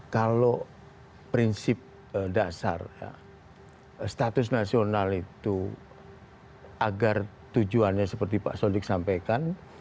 kalau prinsip dasar status nasional itu agar tujuannya seperti pak sodik sampaikan